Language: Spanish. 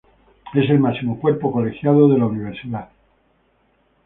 Es el máximo cuerpo colegiado de la Universidad.